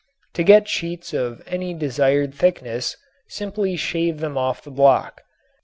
To get sheets of any desired thickness, simply shave them off the block.